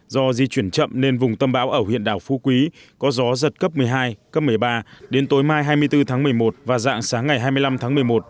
do di chuyển chậm nên vùng tâm bão ở huyện đảo phu quý có gió giật cấp một mươi hai cấp một mươi ba đến tối mai hai mươi bốn tháng một mươi một và dạng sáng ngày hai mươi năm tháng một mươi một